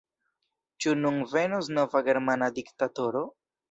Ĉu nun venos nova germana diktatoro?